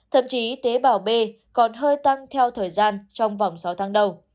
thậm chí tế bào b còn hơi tăng theo thời gian trong vòng sáu tháng đầu